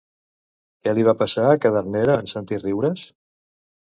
Què li va passar a Cadernera en sentir riures?